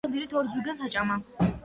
დათომ დილით ორ ზვიგენს აჭამა.